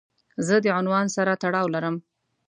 زه د عنوان سره تړاو لرم.